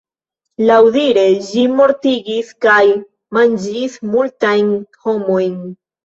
Laŭdire ĝi mortigis kaj manĝis multajn homojn.